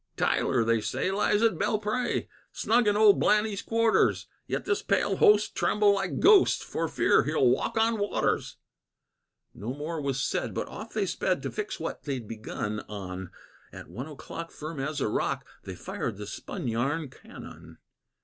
"Tyler, they say, lies at Belpré, Snug in old Blanny's quarters; Yet this pale host tremble like ghosts For fear he'll walk on waters." No more was said, but off they sped To fix what they'd begun on; At one o'clock, firm as a rock, They fired the spun yarn cannon.